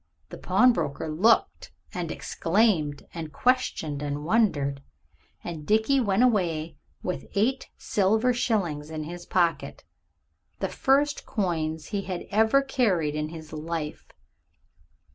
The pawnbroker looked and exclaimed and questioned and wondered, and Dickie went away with eight silver shillings in his pocket, the first coins he had ever carried in his life.